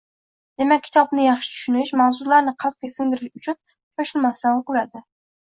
Demak, kitobni yaxshi tushunish, mavzularni qalbga singdirish uchun shoshilmasdan o'qiladi.